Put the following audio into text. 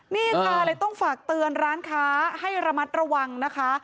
นี่ค่ะเลยต้องฝากเตือนร้านค้าให้ระมัดระวังนะคะ